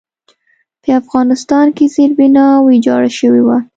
په افغانستان کې زېربنا ویجاړه شوې وه.